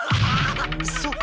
そうか。